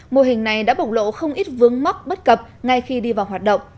mô hình này đã bộc lộ không ít vướng mắc bất cập ngay khi đi vào hoạt động